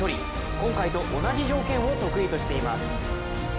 今回と同じ条件を得意としています。